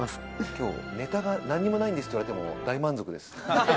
きょう、ネタが何もないんですって言われても大満足です。